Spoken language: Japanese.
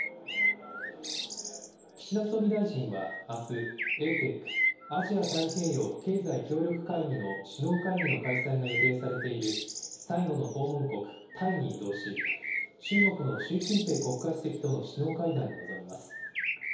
岸田総理大臣はあす、ＡＰＥＣ・アジア太平洋経済協力会議の首脳会議の開催が予定されている最後の訪問国、タイに移動し、中国の習近平国家主席との首脳会談に臨みます。